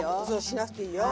しなくていいよ。